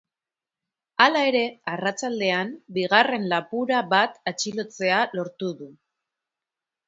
Hala ere, arratsaldean, bigarren lapura bat atxilotzea lortu du.